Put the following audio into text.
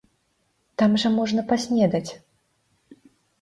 Там жа можна паснедаць.